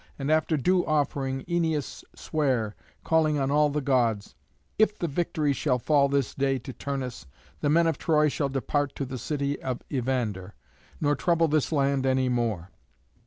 And after due offering Æneas sware, calling on all the Gods, "If the victory shall fall this day to Turnus, the men of Troy shall depart to the city of Evander, nor trouble this land any more.